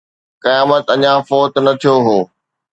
قيامت اڃا فوت نه ٿيو هو